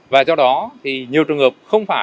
và do đó thì nhiều trường hợp không phản ứng